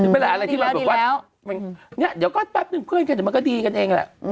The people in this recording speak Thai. ไม่รู้อะไรที่เราบอกว่าเดี๋ยวก็แป๊บหนึ่งเพื่อนกันมันก็ดีกันเองแหละ